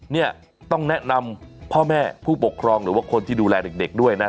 เนี่ยต้องแนะนำพ่อแม่ผู้ปกครองหรือว่าคนที่ดูแลเด็กด้วยนะ